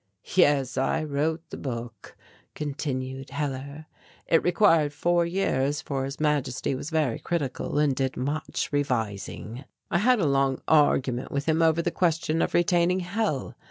"Yes, I wrote the book," continued Hellar. "It required four years, for His Majesty was very critical, and did much revising. I had a long argument with him over the question of retaining Hell.